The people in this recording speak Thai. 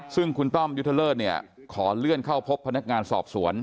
ซึ่งคุณต้อมยุทธเลิศเนี่ยขอเลื่อนเข้าพบพนักงานสอบสวน